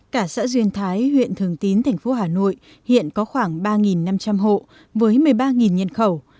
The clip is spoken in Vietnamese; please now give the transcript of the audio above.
cả xã duyên thái huyện thường tín thành phố hà nội hiện có khoảng ba năm trăm linh hộ với một mươi ba nhân khẩu